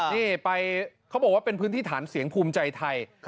นี่พูดว่าเป็นพื้นที่ฐานเสียงภูมิใจไทย